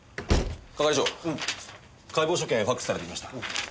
係長解剖所見ファクスされてきました。